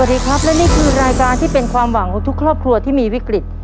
สวัสดีครับและนี่คือรายการที่เป็นความหวังของทุกครอบครัวที่มีวิกฤต